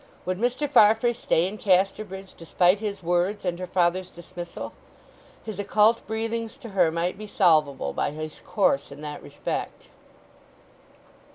Would Mr. Farfrae stay in Casterbridge despite his words and her father's dismissal? His occult breathings to her might be solvable by his course in that respect.